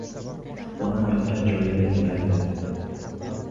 Onam yotgan joyida ingraydi.